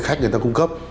về khách người ta cung cấp